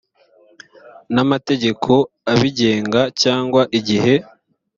n amategeko abigenga cyangwa igihe